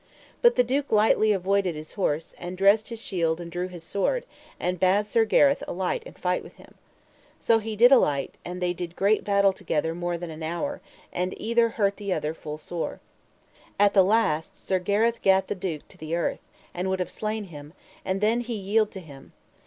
But the duke lightly avoided his horse, and dressed his shield and drew his sword, and bade Sir Gareth alight and fight with him. So he did alight, and they did great battle together more than an hour, and either hurt other full sore. At the last Sir Gareth gat the duke to the earth, and would have slain him, and then he yield him to him.